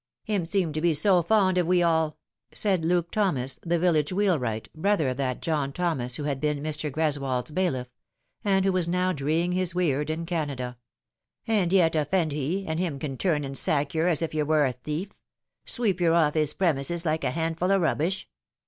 " Him seemed to be so fond of we all," said Luke Thomas, the village wheelwright, brother of that John Thomas who had been Mr. Greswold's bailiff, and who was now dreeing his weird in Canada ;" and yet offend he, and him can turn and sack yer as if yer was a thief sweep yer off his premises like a handful o' rubbish.